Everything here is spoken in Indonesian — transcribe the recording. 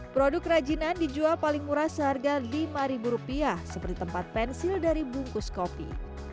produk kerajinan dijual paling murah seharga lima rupiah seperti tempat pensil dari bungkus kopi